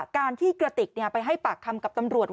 การที่กระติกไปให้ปากคำกับตำรวจ